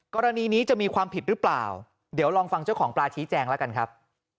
กรณีนี้จะมีความผิดหรือเปล่าเดี๋ยวลองฟังเจ้าของปลาชี้แจงแล้วกันครับ